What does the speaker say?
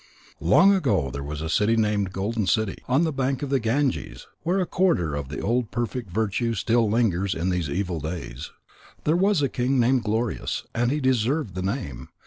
Long ago there was a city named Golden City on the bank of the Ganges, where a quarter of the old perfect virtue still lingers in these evil days. There was a king named Glorious, and he deserved the name.